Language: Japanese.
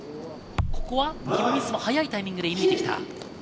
ここはキム・ミンスも早いタイミングで射抜いてきた。